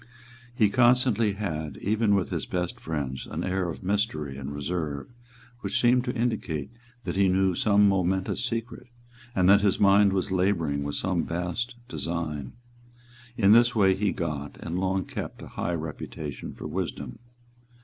He constantly had, even with his best friends, an air of mystery and reserve which seemed to indicate that he knew some momentous secret, and that his mind was labouring with some vast design. In this way he got and long kept a high reputation for wisdom.